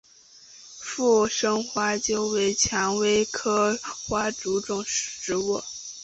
附生花楸为蔷薇科花楸属的植物。